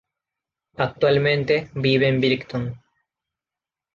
Actualmente vive en Brighton.